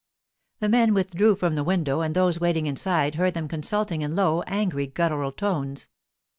The men withdrew from the window and those waiting inside heard them consulting in low, angry guttural tones.